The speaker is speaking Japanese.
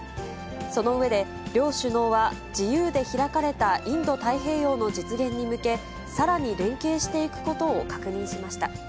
その上で、両首脳は自由で開かれたインド太平洋の実現に向け、さらに連携していくことを確認しました。